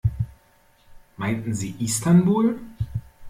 Meinten Sie Istanbul?